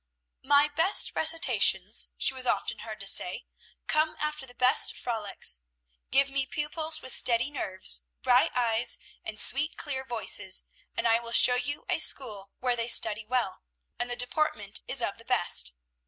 "My best recitations," she was often heard to say, "come after the best frolics. Give me pupils with steady nerves, bright eyes, and sweet, clear voices, and I will show you a school where they study well, and the deportment is of the best.